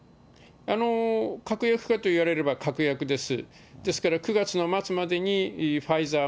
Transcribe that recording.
確約かといわれれば、確約です。